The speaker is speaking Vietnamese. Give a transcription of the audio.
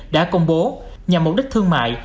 đã công bố nhằm mục đích thương mại